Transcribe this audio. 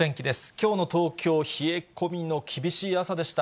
きょうの東京、冷え込みの厳しい朝でした。